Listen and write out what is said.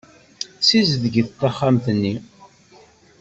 Ssizdeget taxxamt-nni!